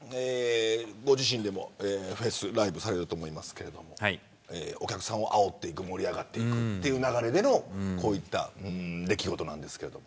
ご自身でもライブされると思いますがお客さんを煽っていく盛り上がっていくという流れでのこういう出来事なんですが。